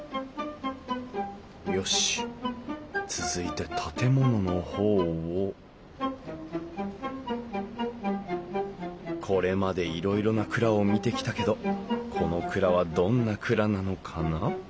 よし続いて建物の方をこれまでいろいろな蔵を見てきたけどこの蔵はどんな蔵なのかな？